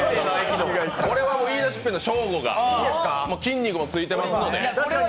これは言い出しっぺのショーゴが筋肉もついてますので。